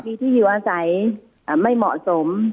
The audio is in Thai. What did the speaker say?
มีที่อยู่อาศัยไม่เหมาะสม